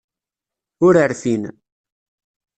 Ur rfin.